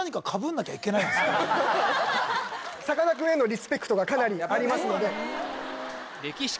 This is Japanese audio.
さかなクンへのリスペクトがかなりありますのでれきし